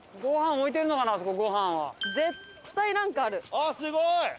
あっすごい！